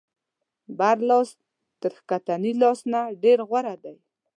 بر لاس تر ښکتني لاس نه ډېر غوره دی.